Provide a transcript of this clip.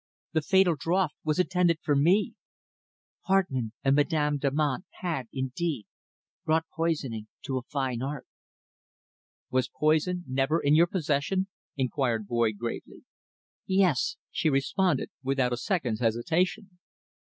The fatal draught was intended for me! Hartmann and Madame Damant had, indeed, brought poisoning to a fine art." "Was poison never in your possession?" inquired Boyd gravely. "Yes," she responded without a second's hesitation.